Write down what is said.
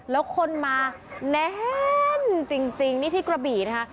แล้วคนมาแน่นจริงนี่ที่กระบี่นะคะ